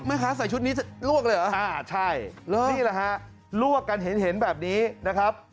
ใส่ชุดนี้ลวกเลยเหรออ่าใช่นี่แหละฮะลวกกันเห็นแบบนี้นะครับ